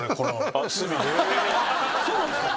そうなんすか？